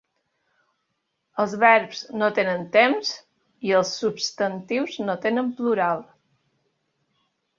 Els verbs no tenen temps, i els substantius no tenen plural.